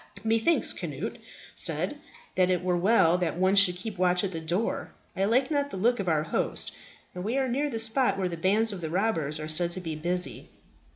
"Methinks," Cnut said, "that it were well that one should keep watch at the door. I like not the look of our host, and we are near the spot where the bands of the robbers are said to be busy."